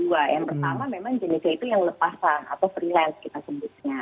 yang pertama memang jenisnya itu yang lepasan atau freelance kita sebutnya